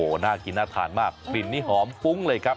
น่ากินน่าทานมากกลิ่นนี้หอมฟุ้งเลยครับ